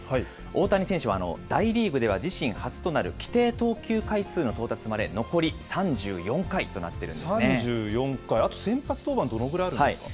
大谷選手は大リーグでは自身初となる規定投球回数の到達まで残り３４回、あと先発登板、どのくらいあるんですか。